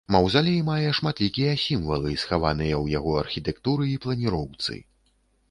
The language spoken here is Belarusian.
Маўзалей мае шматлікія сімвалы, схаваныя ў яго архітэктуры і планіроўцы.